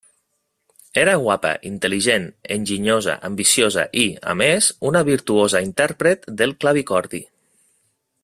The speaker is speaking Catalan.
Era guapa, intel·ligent, enginyosa, ambiciosa i, a més una virtuosa intèrpret del clavicordi.